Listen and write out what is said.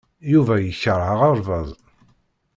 Yuba yekṛeh aɣerbaz.